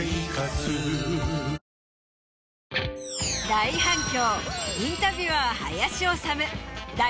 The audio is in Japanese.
大反響。